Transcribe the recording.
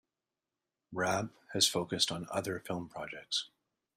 Raab has focused on other film projects.